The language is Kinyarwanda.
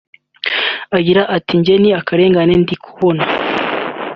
Agira ati “Jye ni akarengane ndi kubona